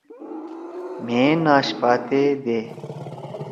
مھئے ناشپاتے دے۔